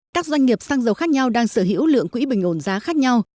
các doanh nghiệp xăng dầu khác nhau đang sở hữu lượng quỹ bình ổn giá khác nhau